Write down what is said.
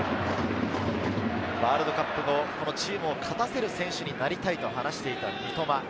ワールドカップ後、チームを勝たせる選手になりたいと話していた三笘。